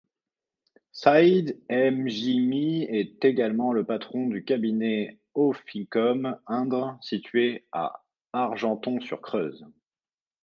Saïd Ennjimi est également le patron du cabinet Auficom Indre, situé à Argenton-sur-Creuse.